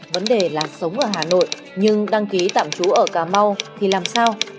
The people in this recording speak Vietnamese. vấn đề là sống ở hà nội nhưng đăng ký tạm trú ở cà mau thì làm sao